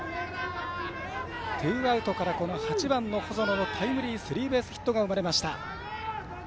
ツーアウトから８番の細野のタイムリースリーベースヒットが生まれました。